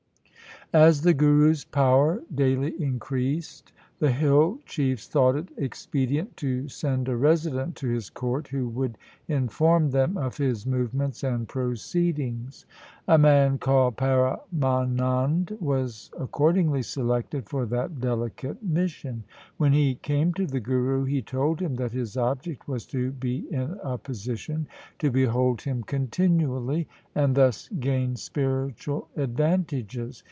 As the Guru's power daily increased, the hill chiefs thought it expedient to send a resident to his court who would inform them of his movements and proceedings. A man called Paramanand was accord ingly selected for that delicate mission. When he came to the Guru he told him that his object was to be in a position to behold him continually, and thus gain spiritual advantages.